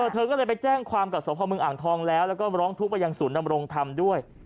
เธอก็เลยไปแจ้งความกับสมภาพเมืองอ่างทองแล้วแล้วก็ร้องทุกข์ไปยังศูนย์นำรงธรรมด้วย